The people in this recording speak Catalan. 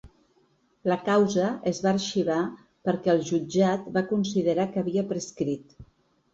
La causa es va arxivar perquè el jutjat va considerar que havia prescrit.